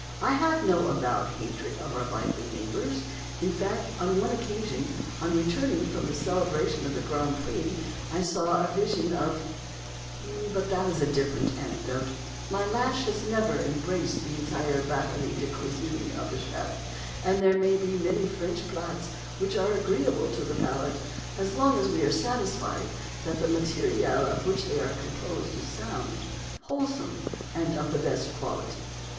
I have no "avowed hatred" of our lively neighbours; in fact, upon one occasion on returning from the celebration of the Grand Prix, I saw a vision of but that is a different anecdote. My lash has never embraced the entire batterie de cuisine of the chef, and there be many French plats which are agreeable to the palate, as long as we are satisfied that the matériel of which they are composed is sound, wholesome, and of the best quality.